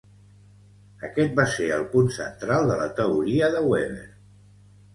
Aquest va ser el punt central de la teoria de Weber.